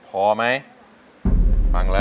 เพลงที่๒มาเลยครับ